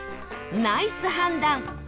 ナイス判断